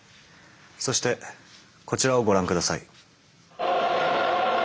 そしてこちらをご覧下さい。